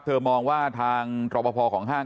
มองว่าทางตรปภของห้าง